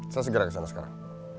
saya segera kesana sekarang